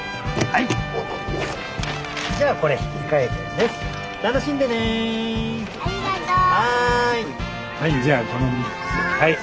はいじゃあはい。